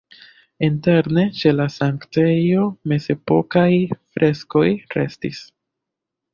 Interne ĉe la sanktejo mezepokaj freskoj restis.